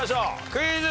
クイズ。